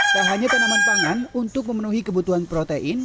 tak hanya tanaman pangan untuk memenuhi kebutuhan protein